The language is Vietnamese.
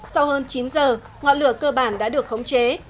sau hơn chín giờ ngọn lửa cơ bản đã được khống chế